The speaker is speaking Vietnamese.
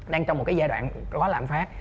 đang trong một cái giai đoạn có lãm phát